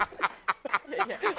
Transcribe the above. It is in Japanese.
ハハハハ！